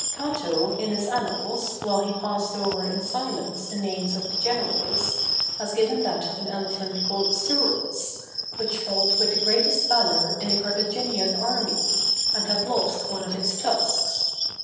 Cato, in his Annals, while he has passed over in silence the names of the generals, has given that of an elephant called Surus, which fought with the greatest valor in the Carthaginian army, and had lost one of its tusks.